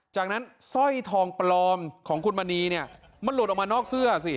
จากนั้นสร้อยทองปลอมของคุณมณีเนี่ยมันหลุดออกมานอกเสื้อสิ